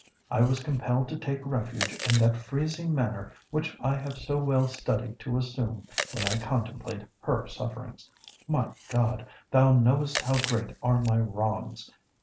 I was compelled to take refuge in that freezing manner which I have so well studied to assume when I contemplate her sufferings. My God! thou knowest how great are my wrongs!